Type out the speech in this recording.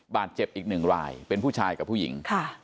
บาดเจ็บอีกหนึ่งรายเป็นผู้ชายกับผู้หญิง